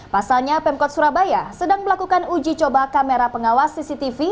pasalnya pemkot surabaya sedang melakukan uji coba kamera pengawas cctv